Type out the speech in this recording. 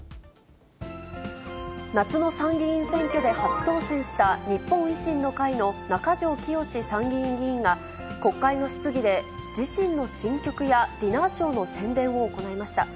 夏の参議院選挙で初当選した日本維新の会の中条きよし参議院議員が、国会の質疑で自身の新曲やディナーショーの宣伝を行いました。